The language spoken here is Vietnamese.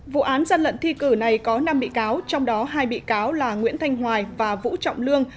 vụ án dân lận thi cử này có năm bị cáo trong đó hai bị cáo là nguyễn thanh hoài và vũ trọng lương